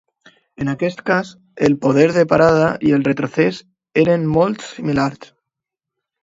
En aquest cas, el poder de parada i el retrocés eren molt similars.